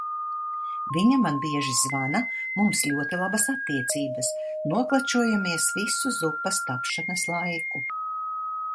Viņa man bieži zvana, mums ļoti labas attiecības, noklačojamies visu zupas tapšanas laiku.